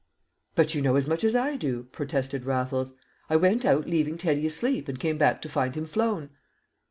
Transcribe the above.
"But you know as much as I do," protested Raffles. "I went out leaving Teddy asleep and came back to find him flown."